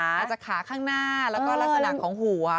อาจจะขาข้างหน้าแล้วก็ลักษณะของหัว